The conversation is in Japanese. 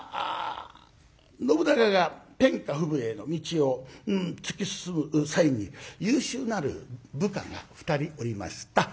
信長が天下布武への道を突き進む際に優秀なる部下が２人おりました。